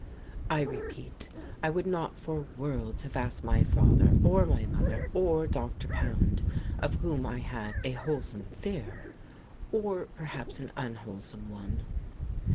I repeat, I would not for worlds have asked my father or my mother or Dr. Pound, of whom I had a wholesome fear, or perhaps an unwholesome one.